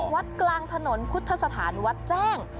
วดกลางถนนพฤษฐานวรรดิแจ้ง